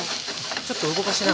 ちょっと動かしながら。